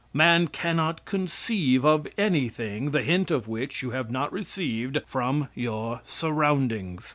Man cannot conceive of anything the hint of which you have not received from your surroundings.